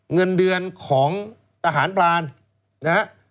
เงินเดือนของทหารพรานนะครับ